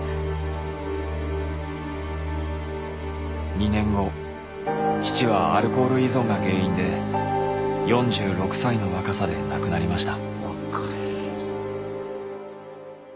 ２年後父はアルコール依存が原因で４６歳の若さで亡くなりました。